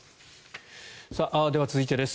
では、続いてです。